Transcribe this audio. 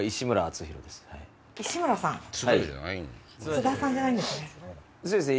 津田さんじゃないんですね。